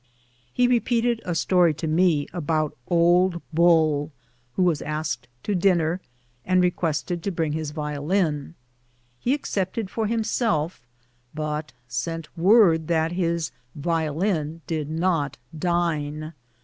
He repeated a story to me about Ole Bull, who was asked to dinner and requested to bring his violin. He accepted for himself, but sent word that his violin did not dine.